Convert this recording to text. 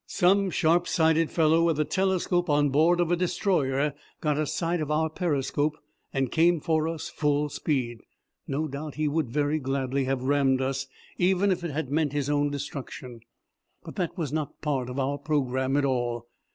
Some sharp sighted fellow with a telescope on board of a destroyer got a sight of our periscope, and came for us full speed. No doubt he would very gladly have rammed us, even if it had meant his own destruction, but that was not part of our programme at all.